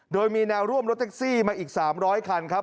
โดยมีแนวร่วมรถแท็กซี่มาอีก๓๐๐คันครับ